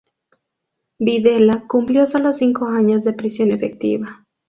Videla cumplió sólo cinco años de prisión efectiva.